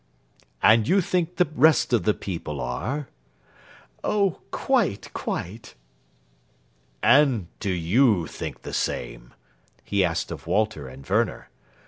"And you think the rest of the people are?" "Oh, quite, quite!" "And do you think the same?" he asked of Walter and Werner.